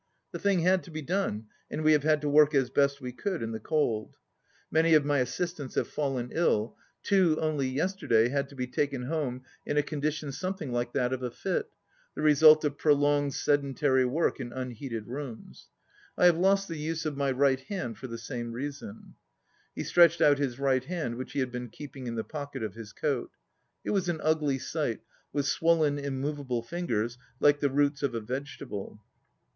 The thing had to be done, and we have had to work as best we could in the cold. Many of my assistants have fallen ill. Two only yesterday had to be taken home in a condition something like that of a fit, the result of prolonged sedentary work in unheated rooms. I have lost the use of my right hand for the same reason." He stretched out his right hand, which he had been keeping in the pocket of his coat. It was an ugly sight, with swollen, immovable fingers, like the roots of a vegetable.